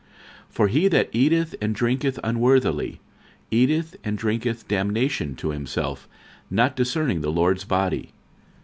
46:011:029 For he that eateth and drinketh unworthily, eateth and drinketh damnation to himself, not discerning the Lord's body.